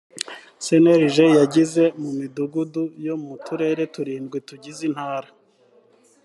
cnlg yageze mu midugudu yo mu turere turindwi tugize intara